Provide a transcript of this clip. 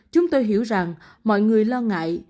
chúng tôi hiểu rằng mọi người lo ngại